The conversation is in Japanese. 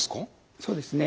そうですね。